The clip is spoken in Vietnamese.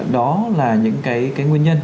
đó là những cái nguyên nhân